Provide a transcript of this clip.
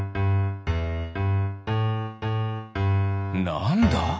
なんだ？